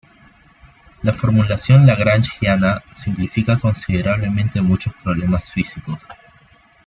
La formulación lagrangiana simplifica considerablemente muchos problemas físicos.